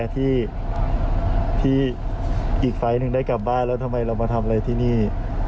ที่อีกไฟล์หนึ่งได้กลับบ้านแล้วทำไมเรามาทำอะไรที่นี่